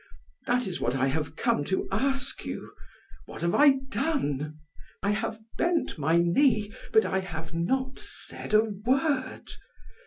That is what I have come to ask you. What have I done? I have bent my knee, but I have not said a word.